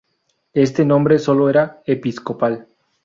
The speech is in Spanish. Este nombre solo era episcopal.